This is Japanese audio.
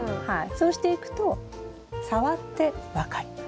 そうしていくと触って分かります。